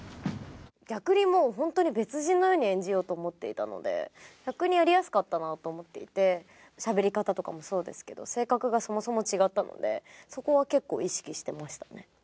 逆にもうホントに別人のように演じようと思っていたので逆にやりやすかったなと思っていてしゃべり方とかもそうですけど性格がそもそも違ったのでそこは結構意識してましたね